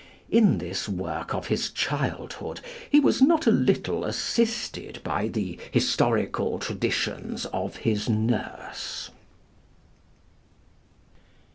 In this work of his childhood he was not a little assisted by the historical traditions of his nurse.